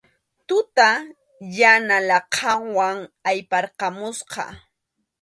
Tuta yana laqhanwan ayparqamusqa.